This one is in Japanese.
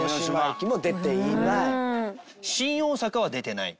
新大阪は出てない？